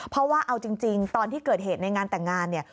เพราะว่าเอาจริงตอนที่เกิดเหตุในงานแต่งงานเนี่ย